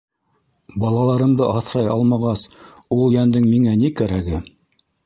Балаларымды аҫрай алмағас, ул йәндең миңә ни кәрәге?!.